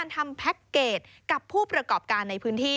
ทำแพ็คเกจกับผู้ประกอบการในพื้นที่